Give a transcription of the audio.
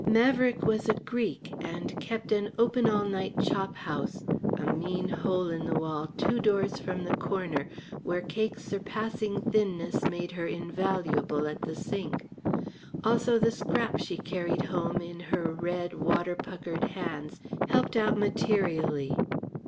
Maverick was a Greek and kept an open all night chop house, a mean hole in the wall two doors from the corner, where Cake's surpassing thinness made her invaluable at the sink. Also the scraps she carried home in her red, water puckered hands helped out materially.